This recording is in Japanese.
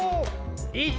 １。